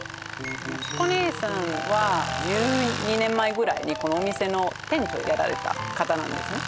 まち子姉さんは１２年前ぐらいにこのお店の店長やられた方なんですね